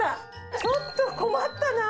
ちょっと困ったなぁ。